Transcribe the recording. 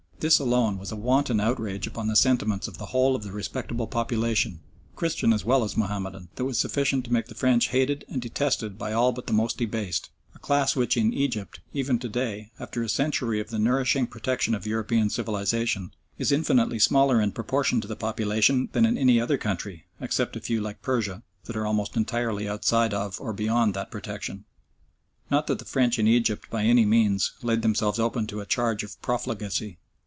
This alone was a wanton outrage upon the sentiments of the whole of the respectable population, Christian as well as Mahomedan, that was sufficient to make the French hated and detested by all but the most debased a class which in Egypt, even to day, after a century of the nourishing protection of European civilisation, is infinitely smaller in proportion to the population than in any other country, except a few like Persia, that are almost entirely outside of or beyond that protection. Not that the French in Egypt by any means laid themselves open to a charge of profligacy.